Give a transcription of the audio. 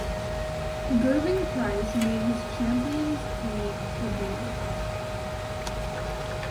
Gerwyn Price made his Champions League debut.